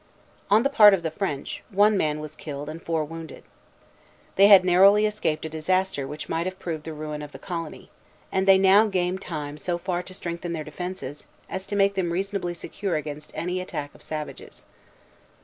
On the part of the French, one man was killed and four wounded. They had narrowly escaped a disaster which might have proved the ruin of the colony; and they now gained time so far to strengthen their defences as to make them reasonably secure against any attack of savages.